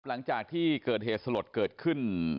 หลังจากที่เกิดเหตุสลดเกิดขึ้น